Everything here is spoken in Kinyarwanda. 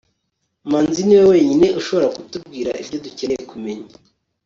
manzi niwe wenyine ushobora kutubwira ibyo dukeneye kumenya